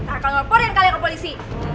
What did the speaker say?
akan ngelaporin kalian ke polisi